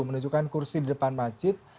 menunjukkan kursi di depan masjid